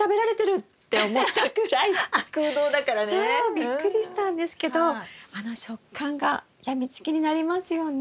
びっくりしたんですけどあの食感が病みつきになりますよね。